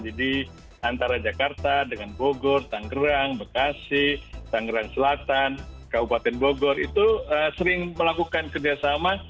jadi antara jakarta dengan bogor tanggerang bekasi tanggerang selatan kabupaten bogor itu sering melakukan kerjasama